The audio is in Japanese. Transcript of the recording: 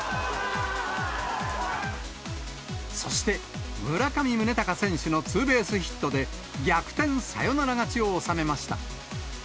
そして、村上宗隆選手のツーベースヒットで逆転サヨナラ勝ちを収めました。